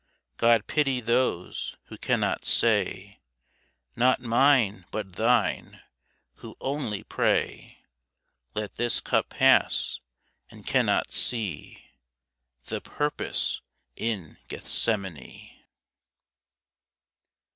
God pity those who cannot say, "Not mine but Thine"; who only pray "Let this cup pass," and cannot see The purpose in Gethsemane.